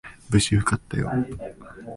無事受かったよ。